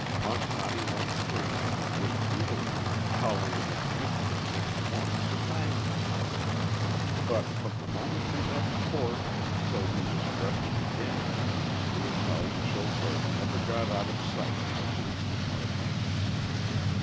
Montani went free, and was jubilant, calling on the Commissioner next morning to thank him. But from the moment he left court until he was arrested again the Italian chauffeur never got out of sight of the Police Department.